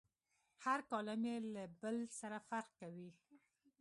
هر کالم یې له بل سره فرق کوي.